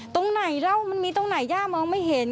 ตรงไหนเล่ามันมีตรงไหนย่ามองไม่เห็น